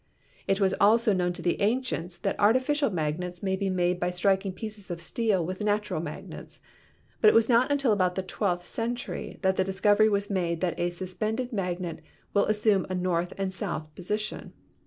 It was also known to the ancients that artificial magnets may be made by striking pieces of steel with natural magnets, but it was not until about the twelfth century that the dis covery was made that a suspended magnet will assume a north and south position.